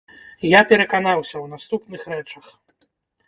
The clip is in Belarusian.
Я пераканаўся ў наступных рэчах.